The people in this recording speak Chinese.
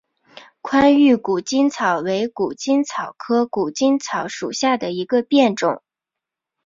宽玉谷精草为谷精草科谷精草属下的一个变种。